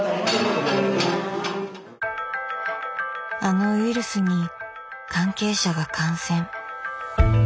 あのウイルスに関係者が感染。